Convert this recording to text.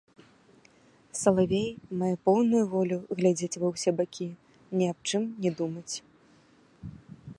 Салавей мае поўную волю глядзець ва ўсе бакі, ні аб чым не думаць.